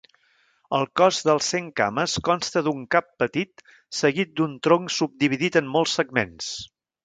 El cos dels centcames consta d'un cap petit seguit d'un tronc subdividit en molts segments.